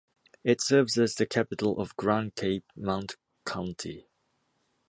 It serves as the capital of Grand Cape Mount County.